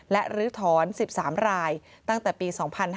และลื้อถอน๑๓รายตั้งแต่ปี๒๕๕๙